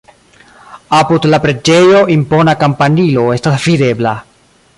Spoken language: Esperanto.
Apud la preĝejo impona kampanilo estas videbla.